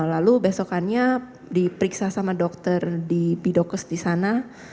lalu besokannya diperiksa sama dokter di bidokus disana